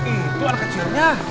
itu anak kecilnya